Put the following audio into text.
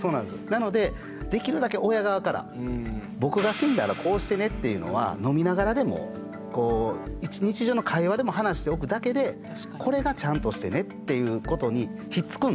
なのでできるだけ親側から僕が死んだらこうしてねっていうのは飲みながらでも日常の会話でも話しておくだけでこれがちゃんとしてねっていうことにひっつくんで。